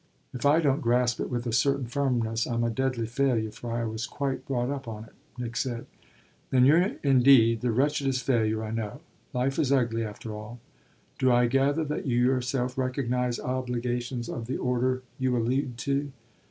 "If I don't grasp it with a certain firmness I'm a deadly failure, for I was quite brought up on it," Nick said. "Then you're indeed the wretchedest failure I know. Life is ugly, after all." "Do I gather that you yourself recognise obligations of the order you allude to?"